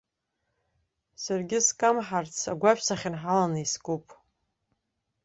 Саргьы скамҳарц, агәашә сахьынҳаланы искуп.